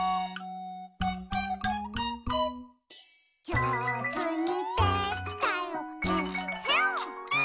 「じょうずにできたよえっへん」